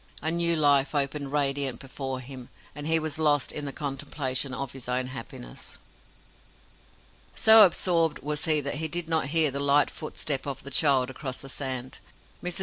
A new life opened radiant before him, and he was lost in the contemplation of his own happiness. So absorbed was he that he did not hear the light footstep of the child across the sand. Mrs.